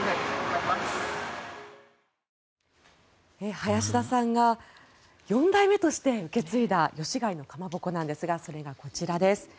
林田さんが４代目として受け継いだ吉開のかまぼこなんですがそれがこちらです。